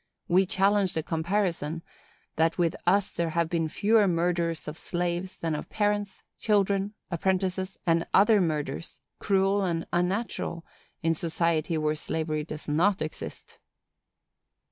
We challenge the comparison, that with us there have been fewer murders of slaves than of parents, children, apprentices, and other murders, cruel and unnatural, in society where slavery does not exist."